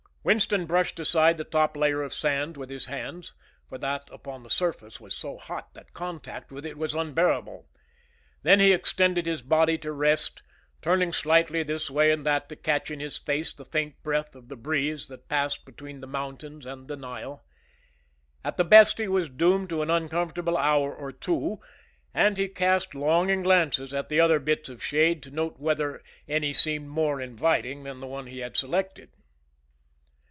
Winston brushed aside the top layer of sand with his hands, for that upon the surface was so hot that contact with it was unbearable. Then he extended his body to rest, turning slightly this way and that to catch in his face the faint breath of the breeze that passed between the mountains and the Nile. At the best he was doomed to an uncomfortable hour or two, and he cast longing glances at the other bits of shade to note whether any seemed more inviting than the one he had selected.